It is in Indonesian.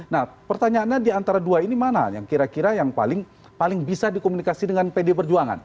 nah pertanyaannya di antara dua ini mana yang kira kira yang paling paling bisa dikomunikasi dengan pdip berjuangan